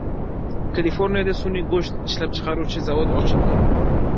Kaliforniyada sun’iy go‘sht ishlab chiqaruvchi zavod ochildi